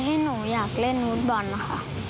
ให้หนูอยากเล่นวู้ดบอลค่ะ